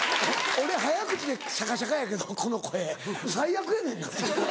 俺早口でシャカシャカやけどこの声最悪やねんな。